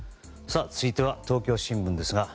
続いては東京新聞です。